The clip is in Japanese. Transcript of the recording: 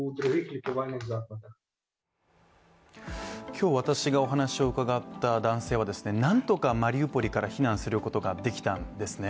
今日、私がお話を伺った男性はなんとかマリウポリから避難することができたんですね。